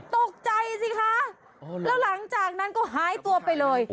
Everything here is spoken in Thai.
ตกใจสิคะแล้วหลังจากนั้นก็หายตัวไปเลย